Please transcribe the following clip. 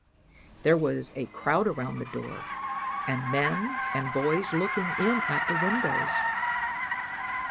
There was a crowd around the door, and men and boys looking in at the windows.